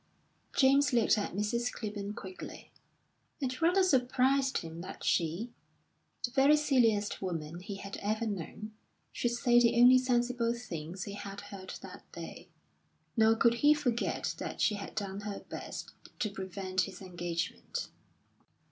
James looked at Mrs. Clibborn quickly. It rather surprised him that she, the very silliest woman he had ever known, should say the only sensible things he had heard that day. Nor could he forget that she had done her best to prevent his engagement.